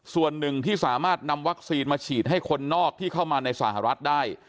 ส่วนหนึ่งที่สามารถนำวัคซีนมาฉีดให้คนนอกที่เข้ามาในสหรัฐได้